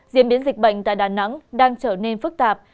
diễn biến dịch bệnh tại đà nẵng đang trở nên phức tạp